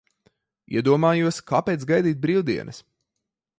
Iedomājos, kāpēc gaidīt brīvdienas?